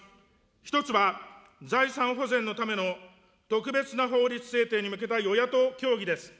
１つは、財産保全のための特別な法律制定に向けた与野党協議です。